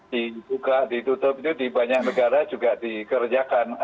dibuka ditutup itu di banyak negara juga dikerjakan